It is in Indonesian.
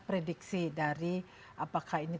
prediksi dari apakah ini